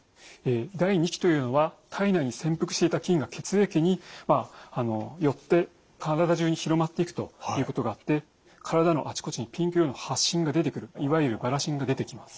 第２期というのは体内に潜伏していた菌が血液によって体中に広まっていくということがあって体のあちこちにピンク色の発疹が出てくるいわゆるバラ疹が出てきます。